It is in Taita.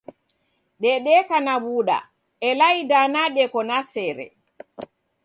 Dedeka na w'uda, ela idana deko na sere.